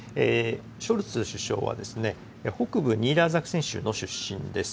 ショルツ首相は北部ニーダーザクセン州出身です。